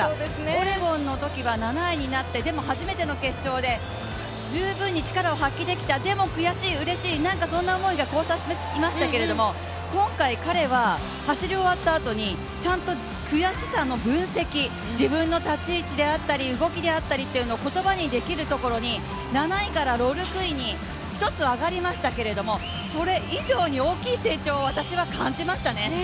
オレゴンのときは７位になって十分に力を発揮できたでも、悔しい、うれしい、そんな思いが交差していましたけど、今回彼は、走り終わったあとに、ちゃんと悔しさの分析、自分の立ち位置であったり動きであったりというのを言葉にできるところに７位から６位に１つ上がりましたけどそれ以上に大きい成長を私は感じましたね。